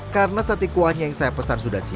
karena sate kuahnya yang saya pesan sudah siap